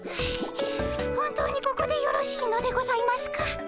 本当にここでよろしいのでございますか？